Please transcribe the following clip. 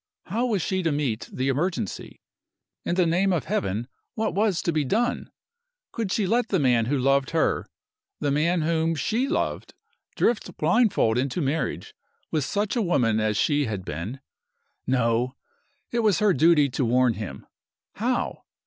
How was she to meet the emergency? In the name of Heaven, what was to be done? Could she let the man who loved her the man whom she loved drift blindfold into marriage with such a woman as she had been? No! it was her duty to warn him. How?